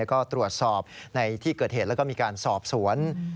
ก็ตรวจสอบในที่เกิดเหตุแล้วก็มีการสอบสวน